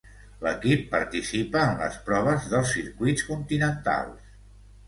L'equip participa en les proves dels circuits continentals.